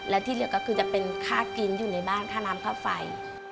และที่เหลือก็คือจะเป็นค่ากินอยู่ในบ้านค่าน้ำค่าไฟ